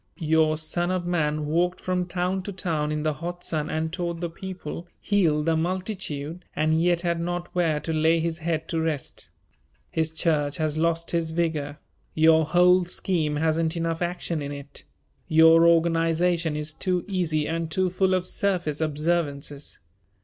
Your Son of Man walked from town to town in the hot sun and taught the people, healed the multitude and yet had not where to lay his head to rest. His church has lost His vigor. Your whole scheme hasn't enough action in it. Your organization is too easy and too full of surface observances.